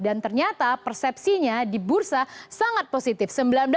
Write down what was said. dan ternyata persepsinya di bursa sangat positif